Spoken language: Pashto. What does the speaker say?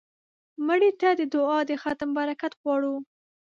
مړه ته د دعا د ختم برکت غواړو